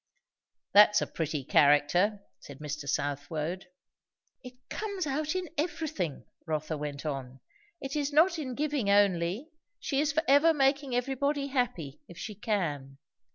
"That's a pretty character," said Mr. Southwode. "It comes out in everything," Rotha went on. "It is not in giving only; she is forever making everybody happy, if she can.